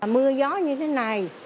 mưa gió như thế này